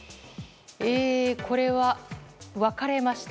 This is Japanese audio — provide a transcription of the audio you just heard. これは分かれました。